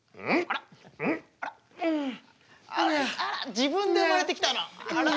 自分で生まれてきたな。